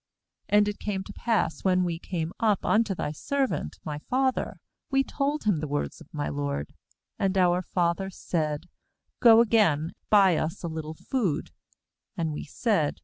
^And it came to pass when we came up unto thy servant my father, we told him the words of my lord. 26And our father said: Go again, buy us a little food. 26And we said.